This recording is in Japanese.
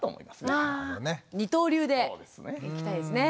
二刀流でいきたいですね。